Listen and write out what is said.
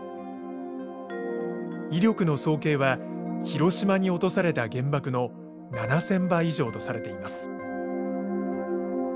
威力の総計は広島に落とされた原爆の７，０００倍以上とされています。